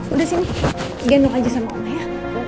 udah sini gendong aja sama oma ya